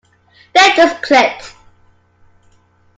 They just clicked.